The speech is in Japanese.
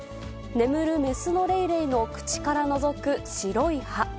眠る雌のレイレイの口からのぞく白い歯。